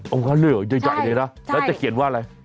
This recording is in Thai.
เอาแบบนั้นเลยเห็นจังเลยนะแล้วจะเขียนว่าอะไร